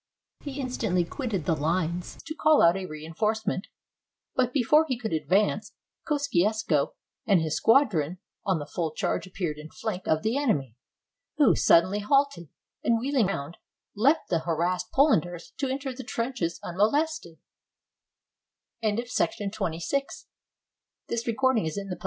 He instantly quitted the lines to call out a reinforcement; but before he could advance, Kosciusko and his squad ron on the full charge appeared in flank of the enemy, who suddenly halted, and wheeling round, left the har assed Polanders to enter the trenches unmolested.